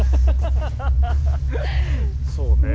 そうねえ。